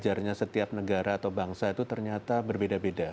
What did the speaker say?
jadi kita bisa lihat bahwa negara atau bangsa itu ternyata berbeda beda